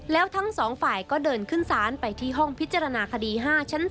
แล้วทั้งสองฝ่ายก็เดินขึ้นศาลไปที่ห้องพิจารณาคดี๕ชั้น๓